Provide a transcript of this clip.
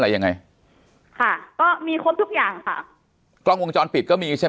อะไรยังไงค่ะก็มีครบทุกอย่างค่ะกล้องวงจรปิดก็มีใช่ไหม